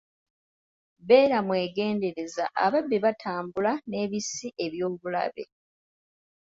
Beera mwegendereze ababbi batambula n'ebissi eb'obulabe.